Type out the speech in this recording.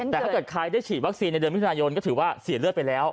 แต่ถ้าเกิดใครได้ฉีดวัคซีนในเดือนมิถุนายนก็ถือว่าเสียเลือดไปแล้ว